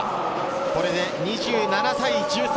これで２７対１３。